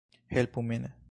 Helpu min!